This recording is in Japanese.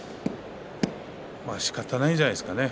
まあ、しかたないんじゃないですかね